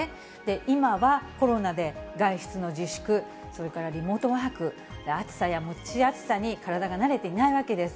今はコロナで外出の自粛、それからリモートワーク、暑さや蒸し暑さに体が慣れていないわけです。